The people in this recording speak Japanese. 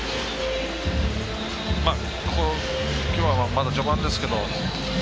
きょうはまだ序盤ですけど。